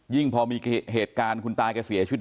พอมีเหตุการณ์คุณตาแกเสียชีวิต